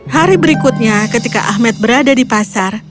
hari berikutnya ketika ahmed berada di pasar